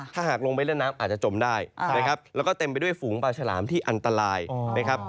ถ้าหากลงไปเล่นน้ำอาจจะจมได้นะครับแล้วก็เต็มไปด้วยฝูงปลาฉลามที่อันตรายนะครับ